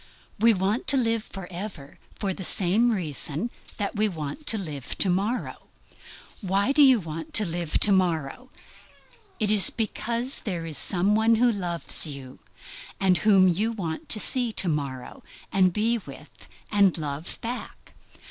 We want to live forever for the same reason that we want to live to morrow. Why do we want to live to morrow? Is it because there is some one who loves you, and whom you want to see to morrow, and be with, and love back?